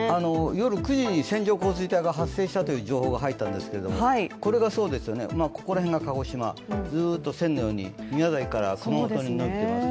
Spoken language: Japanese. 夜９時に線状降水帯が発生したという情報が入ったんですけれども、これがそうですよね、ここら辺が鹿児島、ずっと、宮崎から熊本に延びています。